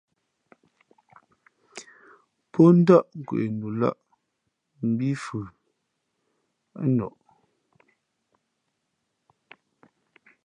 Pō ndάʼ kwe nu lαʼ mbī fʉ ά noʼ.